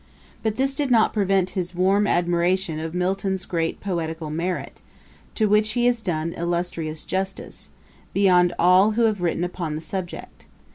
But this did not prevent his warm admiration of Milton's great poetical merit, to which he has done illustrious justice, beyond all who have written upon the subject.